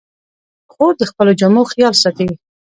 خور د خپلو جامو خیال ساتي.